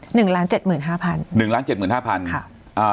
หนึ่งล้านเจ็ดหมื่นห้าพันหนึ่งล้านเจ็ดหมื่นห้าพันค่ะอ่า